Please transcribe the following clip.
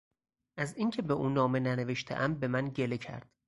از اینکه به او نامه ننوشتهام به من گله کرد.